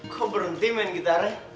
kok berhenti main gitarnya